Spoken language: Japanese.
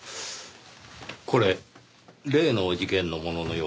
これ例の事件の物のようですねぇ。